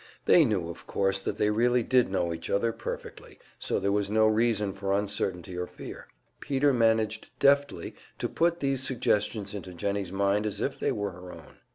They knew, of course, that they really did know each other perfectly, so there was no reason for uncertainty or fear. Peter managed deftly to put these suggestions into Jennie's mind as if they were her own.